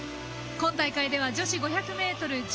今大会では女子５００ｍ、１５位。